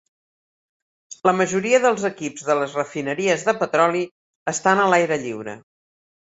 La majoria dels equips de les refineries de petroli estan a l'aire lliure.